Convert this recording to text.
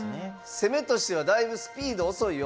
攻めとしてはだいぶスピード遅いよ。